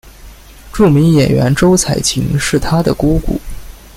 著名演员周采芹是她的姑姑。